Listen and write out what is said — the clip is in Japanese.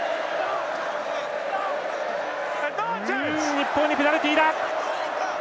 日本にペナルティだ。